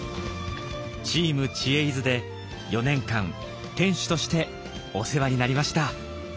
チーム「知恵泉」で４年間店主としてお世話になりました。